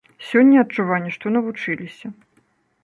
Сёння адчуванне, што навучыліся.